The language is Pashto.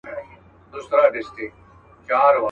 چوروندک ځالګۍ نه سوه پرېښودلای.